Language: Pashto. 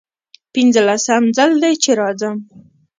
پنځلسم ځل دی چې راځم.